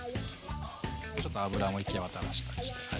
ちょっと油も行き渡らしたりして。